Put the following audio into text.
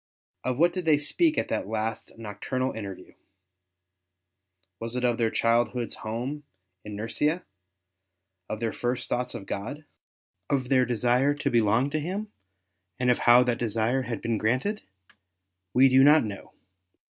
Of what did they speak in that last nocturnal interview ? Was it of their childhood's home in Nursia, of their first thoughts of God, of their desire to belong to Him, and of how that desire had been granted ? W^e do not know.